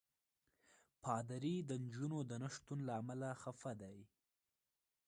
پادري د نجونو د نه شتون له امله خفه دی.